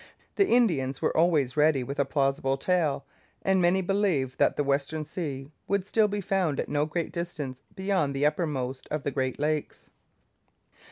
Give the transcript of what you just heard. The Indians were always ready with a plausible tale, and many believed that the Western Sea would still be found at no great distance beyond the uppermost of the Great Lakes.